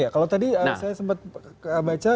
kalau tadi saya sempat baca